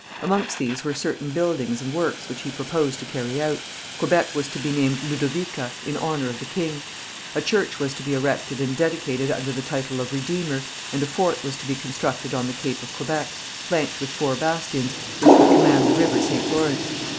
Amongst these were certain buildings and works which he proposed to carry out. Quebec was to be named Ludovica, in honour of the king. A church was to be erected and dedicated under the title of Redeemer, and a fort was to be constructed on the cape of Quebec, flanked with four bastions, which would command the river St. Lawrence.